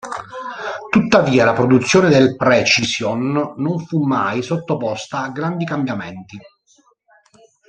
Tuttavia la produzione del Precision non fu mai sottoposta a grandi cambiamenti.